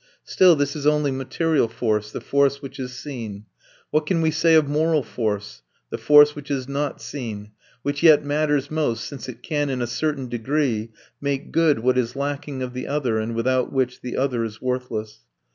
Still this is only material force, the force which is seen. What can we say of moral force, the force which is not seen, which yet matters most since it can in a certain degree make good what is lacking of the other, and without which the other is worthless?